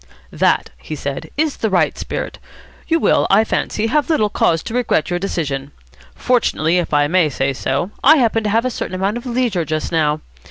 "That," he said, "is the right spirit. You will, I fancy, have little cause to regret your decision. Fortunately, if I may say so, I happen to have a certain amount of leisure just now.